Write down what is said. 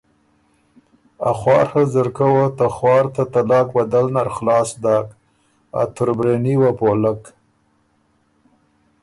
اخواڒه ځرکۀ وه ته خوار ته طلاق بدل نرخلاص داک، ا تُربرېني وه پولک۔